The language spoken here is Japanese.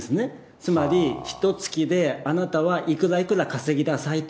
つまりひとつきであなたはいくらいくら稼ぎなさいと。